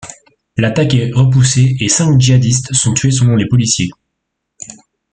L'attaque est repoussée et cinq djihadistes sont tués selon les policiers.